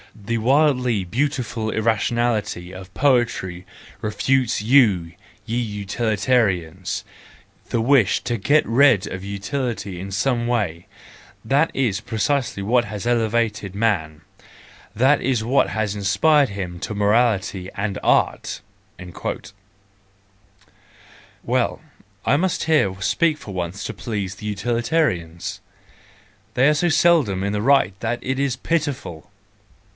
The wildly beautiful irrationality of poetry refutes you, ye utilitarians! The wish to get rid of utility in some way—that is precisely what has elevated THE JOYFUL WISDOM, II 117 man, that is what has inspired him to morality and art!" Well, I must here speak for once to please the utilitarians,—they are so seldom in the right that it is pitiful!